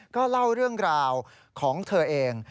ก็เล่าเรื่องราวของเธอเอง